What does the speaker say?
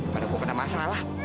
padahal gue kena masalah